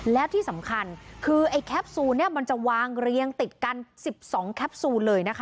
แล้วที่สำคัญคือไอ้แคปซูลเนี่ยมันจะวางเรียงติดกัน๑๒แคปซูลเลยนะคะ